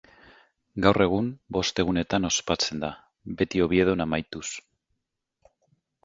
Gaur egun, bost egunetan ospatzen da, beti Oviedon amaituz.